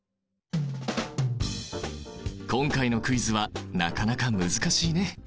今回のクイズはなかなか難しいね。